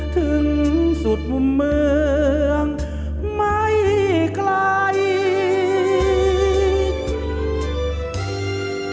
ถึงสุดมุมเมืองไม่ใกล้อีก